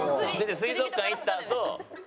水族館行ったあと。